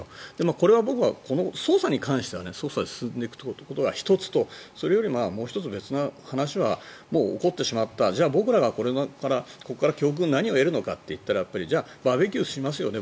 これは僕は、この捜査に関しては捜査が進んでいくということが１つとそれよりも別の話は起こってしまったじゃあ僕らがここから教訓何を得るのかといったらじゃあバーベキューをしますよね